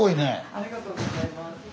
ありがとうございます。